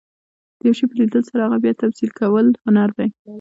د یو شي په لیدلو سره هغه بیا تمثیل کول، هنر دئ.